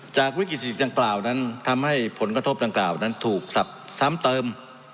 จากวิกฤตศิษย์ต่างกล่าวนั้นทำให้ผลกระทบต่างกล่าวนั้นถูกทำเติม